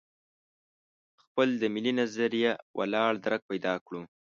خپل د ملي نظریه ولاړ درک پیدا کړو.